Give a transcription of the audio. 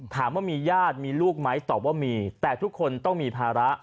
ถามว่ามีญาติมีลูกไหมตอบว่ามีแต่ทุกคนต้องมีภาระ